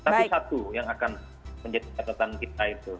tapi satu yang akan menjadi catatan kita itu